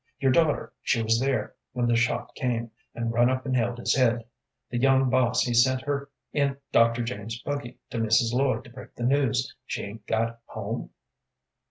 Your daughter she was there when the shot came, and run up and held his head. The young boss he sent her in Dr. James's buggy to Mrs. Lloyd to break the news. She 'ain't got home?"